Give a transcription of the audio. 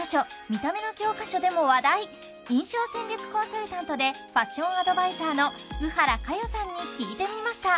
「『見た目』の教科書」でも話題印象戦略コンサルタントでファッションアドバイザーの乳原佳代さんに聞いてみました